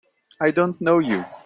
I don't know you!